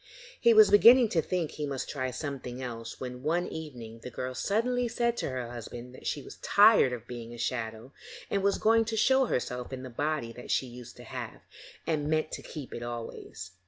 He was beginning to think he must try something else when one evening the girl suddenly said to her husband that she was tired of being a shadow, and was going to show herself in the body that she used to have, and meant to keep it always.